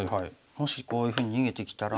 もしこういうふうに逃げてきたら。